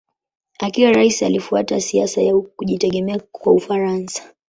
Akiwa rais alifuata siasa ya kujitegemea kwa Ufaransa.